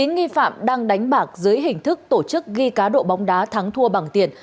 chín nghi phạm đang đánh bạc dưới hình thức tổ chức ghi cá độ bóng đá thắng thua bằng tiền